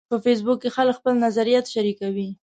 په فېسبوک کې خلک خپل نظریات شریکوي